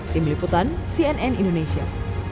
tim liputan cnn indonesia